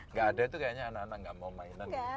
nggak ada itu kayaknya anak anak nggak mau mainan